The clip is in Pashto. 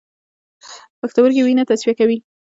پښتورګي وینه تصفیه کوي